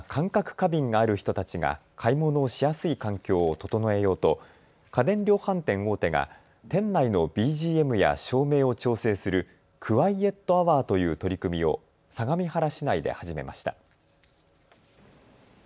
過敏がある人たちが買い物しやすい環境を整えようと家電量販店大手が店内のＢＧＭや照明を調整するクワイエットアワーという取り組みを相模原市内で始めました。